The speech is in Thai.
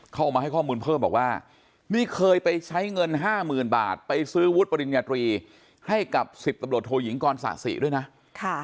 เข้ามาให้ข้อมูลเพิ่มบอกว่านี่เคยไปใช้เงินห้าหมื่นบาทไปซื้อวุฒิปริญญาตรีให้กับ๑๐ตำรวจโทยิงกรสะสิด้วยนะ